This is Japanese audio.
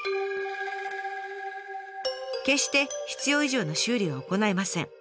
決して必要以上の修理は行いません。